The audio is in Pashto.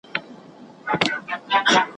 ما دې له ما سره یوازې پریږدي